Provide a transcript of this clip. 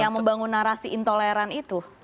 yang membangun narasi intoleran itu